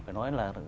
phải nói là